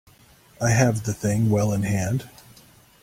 I have the thing well in hand.